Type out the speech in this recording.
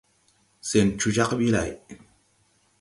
Sɛn coo jag ɓi lay.